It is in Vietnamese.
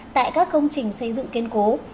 tại các công trình xây dựng kiên cố